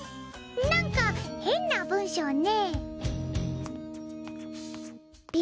なんか変な文章ね。